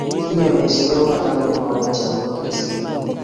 Kinyo mestowot akaomwawech akobo kristo